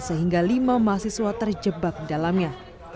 sehingga lima mahasiswa terjebak di dalamnya